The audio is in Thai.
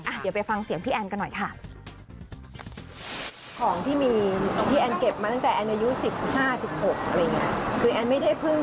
เดี๋ยวไปฟังเสียงพี่แอนกันหน่อยค่ะ